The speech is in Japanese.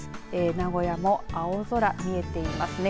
名古屋も青空、見えてますね。